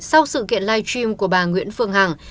sau sự kiện live stream của bà nguyễn phương hằng